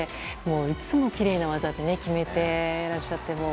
いつもきれいな技を決めてらっしゃって。